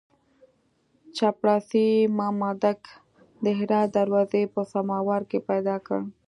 چپړاسي مامدک د هرات دروازې په سماوار کې پیدا کړ.